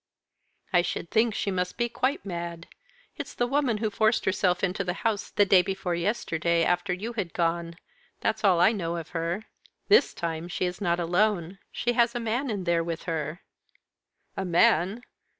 "I should think she must be quite mad. It's the woman who forced herself into the house the day before yesterday after you had gone that's all I know of her. This time she is not alone; she has a man in there with her." "A man!